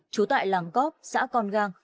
chú tại làng cóp xã con gang